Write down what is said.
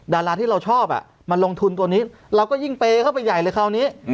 ดาราที่เราชอบมาลงทุนตัวนี้เราก็ยิ่งเปย์เข้าไปใหญ่เลยคราวนี้